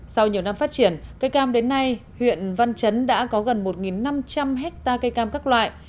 sau nhiều năm phát triển cây cam đến nay huyện văn chấn đã có gần một năm trăm linh hectare cây cam các loại